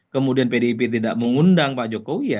kemudian pdip tidak mengundang pak jokowi ya